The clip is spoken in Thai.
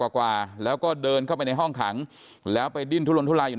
กว่าแล้วก็เดินเข้าไปในห้องขังแล้วไปดิ้นทุลนทุลายอยู่